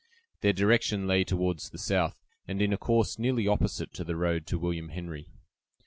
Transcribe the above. Their direction lay toward the south, and in a course nearly opposite to the road to William Henry.